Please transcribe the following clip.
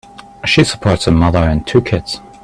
She supports a mother and two kids.